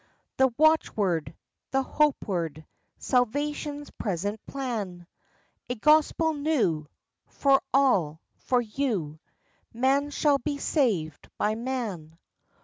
The watchword, the hope word, Salvation's present plan? A gospel new, for all for you: Man shall be saved by man.